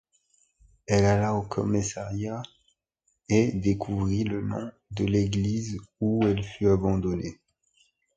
Elle alla au commissariat et découvrit le nom de l'église où elle fut abandonnée.